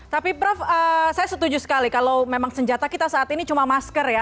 tapi prof saya setuju sekali kalau memang senjata kita saat ini cuma masker ya